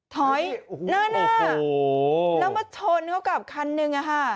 ถอยนั่นแล้วมาชนเขากับคันหนึ่งค่ะ